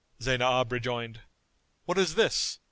Zaynab rejoined, "What is this?